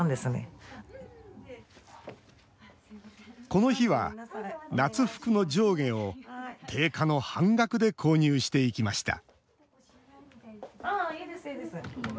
この日は、夏服の上下を定価の半額で購入していきました。